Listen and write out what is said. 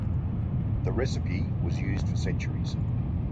The recipe was used for centuries.